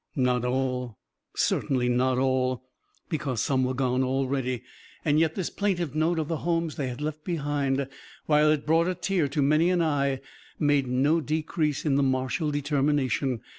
Not all! Certainly not all, because some were gone already. And yet this plaintive note of the homes they had left behind, while it brought a tear to many an eye, made no decrease in martial determination.